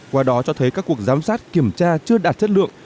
qua đó cho thấy các cuộc giám sát kiểm tra chưa đạt chất lượng